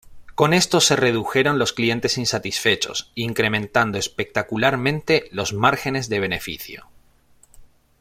Con esto se redujeron los clientes insatisfechos, incrementando espectacularmente los márgenes de beneficio.